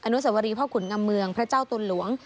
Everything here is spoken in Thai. นุสวรีพ่อขุนงำเมืองพระเจ้าตุลหลวง